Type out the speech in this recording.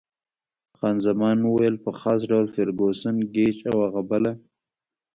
خان زمان وویل: په خاص ډول فرګوسن، ګېج او هغه بله.